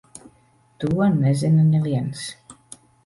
To nezina neviens.